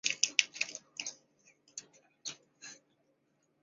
叶片的圆形裂片为扑克牌梅花图案的来源。